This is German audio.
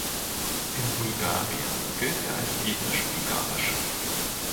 In Bulgarien gilt er als ethnisch bulgarisch.